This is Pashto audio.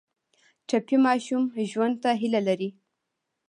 ټپي ماشوم ژوند ته هیله لري.